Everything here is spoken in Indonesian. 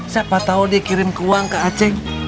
siapa tahu dia kirim uang ke acing